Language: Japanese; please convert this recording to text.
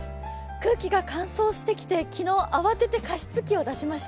空気が乾燥してきて昨日慌てて加湿器を出しました。